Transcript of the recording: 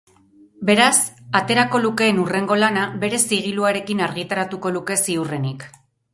Beraz, aterako lukeen hurrengo lana bere zigiluarekin argitaratuko luke ziurrenik.